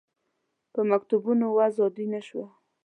په مکتوبونو وضع عادي نه شوه.